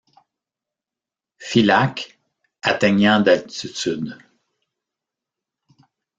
Phillack, atteignant d'altitude.